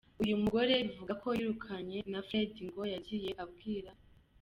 Uyu mugore bivugwa ko yirukanwe na Fred ngo yagiye abwira.